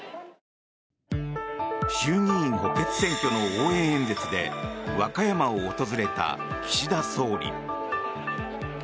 衆議院補欠選挙の応援演説で和歌山を訪れた岸田総理。